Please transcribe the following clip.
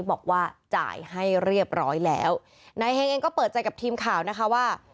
มะนาวเปิดใจกับทีมข่าวนะคะ